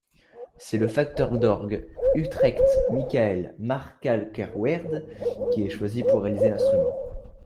C'est le facteur d’orgue d’Utrecht Michael Maarschalkerweerd qui est choisi pour réaliser l’instrument.